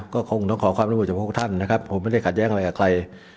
ก็คงต้องขอความร่วมมือจากพวกท่านนะครับผมไม่ได้ขัดแย้งอะไรกับใคร